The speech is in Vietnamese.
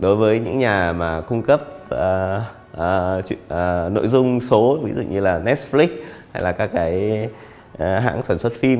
đối với những nhà mà cung cấp nội dung số ví dụ như là netflix hay là các cái hãng sản xuất phim